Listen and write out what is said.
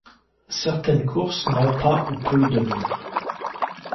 Certaines courses n'ont pas ou peu de murs.